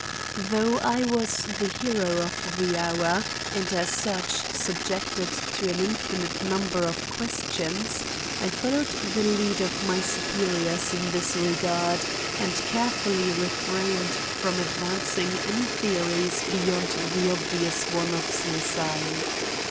Though I was the hero of the hour and, as such, subjected to an infinite number of questions, I followed the lead of my superiors in this regard and carefully refrained from advancing any theories beyond the obvious one of suicide.